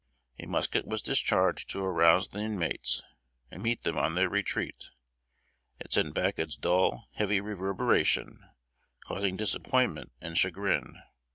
A musket was discharged to arouse the inmates, and meet them on their retreat. It sent back its dull heavy reverberation, causing disappointment and chagrin.